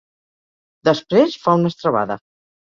Després fa una estrebada.